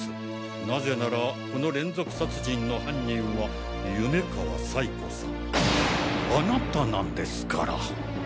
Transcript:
なぜならこの連続殺人の犯人は夢川彩子さんあなたなんですから！